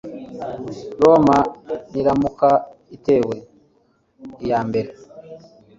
roma niramuka itewe iyambere